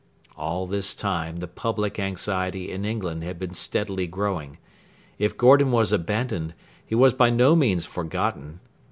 All this time the public anxiety in England had been steadily growing. If Gordon was abandoned, he was by no means forgotten.